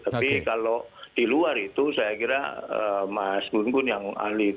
tapi kalau di luar itu saya kira mas gungun yang ahli itu